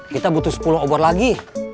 kita butuh sepuluh obor lagi